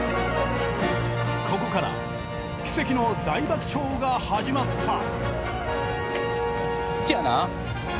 ここから奇跡の大爆釣が始まった。